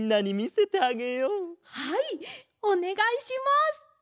はいおねがいします！